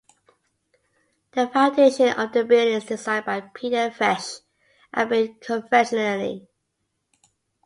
The foundation of the buildings designed by Peter Vetsch are built conventionally.